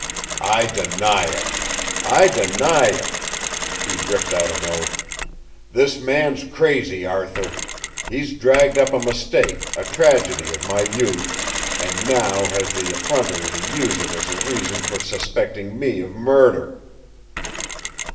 "I deny it. I deny it!" He ripped out an oath. "This man's crazy, Arthur! He's dragged up a mistake, a tragedy, of my youth, and now has the effrontery to use it as a reason for suspecting me of murder!"